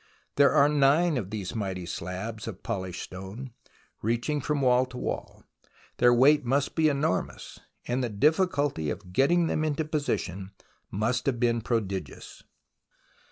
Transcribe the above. There are nine of these mighty slabs of polished stone, reaching from wall to wall. Their weight must be enormous, and the difficulty of getting them into position must have been pro digious.